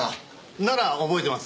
なら覚えてます。